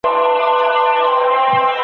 دا انسان ولې په دښمن منظر کي ژوند کوي؟